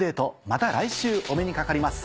また来週お目にかかります。